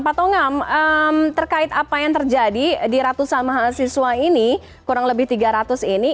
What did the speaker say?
pak tongam terkait apa yang terjadi di ratusan mahasiswa ini kurang lebih tiga ratus ini